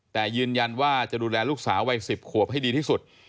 แต่ยืนยันว่าจะดูแลลูกสาววัย๑๐ขวบให้ดีที่สุด